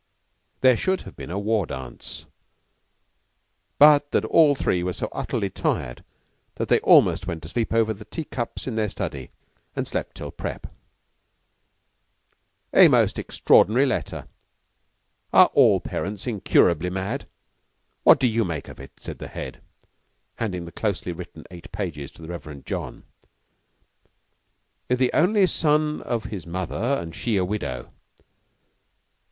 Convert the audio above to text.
There should have been a war dance, but that all three were so utterly tired that they almost went to sleep above the tea cups in their study, and slept till prep. "A most extraordinary letter. Are all parents incurably mad? What do you make of it?" said the Head, handing a closely written eight pages to the Reverend John. "'The only son of his mother, and she a widow.